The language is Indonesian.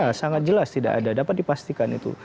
ya sangat jelas tidak ada dapat dipastikan itu